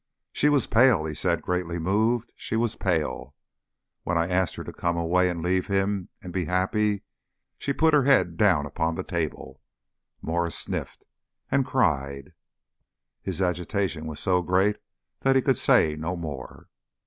"She was pale," he said, greatly moved; "She was pale. When I asked her to come away and leave him and be happy she put her head down upon the table" Mwres sniffed "and cried." His agitation was so great that he could say no more.